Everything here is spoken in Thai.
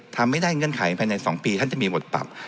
ทำไม่ได้เงื่อนไขภายใน๒ปีท่านจะมีบทปรับ